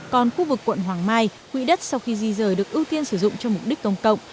còn khu vực quận hoàng mai quỹ đất sau khi di rời được ưu tiên sử dụng cho mục đích công cộng